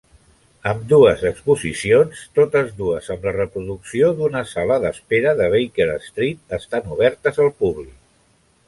Ambdues exposicions, totes dues amb la reproducció d'una sala d'espera de Baker Street, estan obertes al públic.